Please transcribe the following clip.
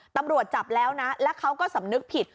ตำรวจจับแล้วนะแล้วเขาก็สำนึกผิด